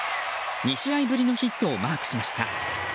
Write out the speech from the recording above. ２試合ぶりのヒットをマークしました。